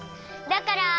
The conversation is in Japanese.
だから。